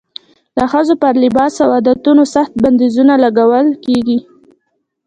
د ښځو پر لباس او عادتونو سخت بندیزونه لګول کېږي.